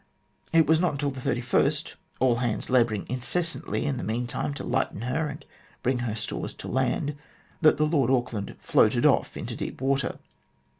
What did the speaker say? It was not until the 31st all hands labouring incessantly in the meantime to lighten her, and bring her stores to land that the Lord Auckland floated off into deep water.